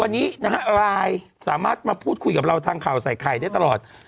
วันนี้นะฮะไลน์สามารถมาพูดคุยกับเราทางข่าวใส่ไข่ได้ตลอด